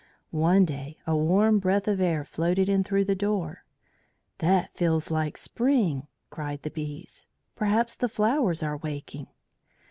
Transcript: One day a warm breath of air floated in through the door. "That feels like spring!" cried the bees. "Perhaps the flowers are waking."